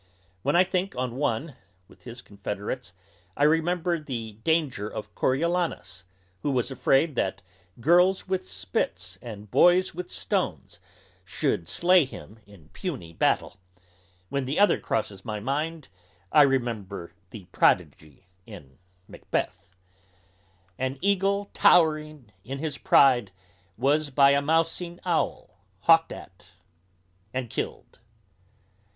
When I think on one, with his confederates, I remember the danger of Coriolanus, who was afraid that girls with spits, and boys with stones, should slay him in puny battle; when the other crosses my imagination, I remember the prodigy in Macbeth, _An eagle tow'ring in his pride of place, Was by a mousing owl hawk'd at and kill'd.